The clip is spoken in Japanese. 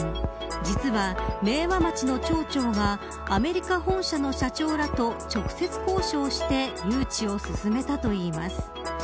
実は明和町の町長がアメリカ本社の社長らと直接交渉をして誘致を進めたといいます。